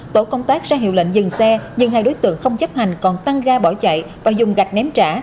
tổ công tác ra hiệu lệnh dừng xe nhưng hai đối tượng không chấp hành còn tăng ga bỏ chạy và dùng gạch ném trả